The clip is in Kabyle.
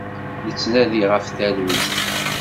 Nettnadi ɣef talwit.